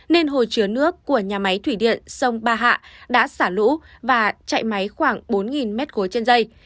nên hồ chứa nước của nhà máy thủy điện sông ba hạ đã xả lũ và chạy máy khoảng bốn mét khối trên dây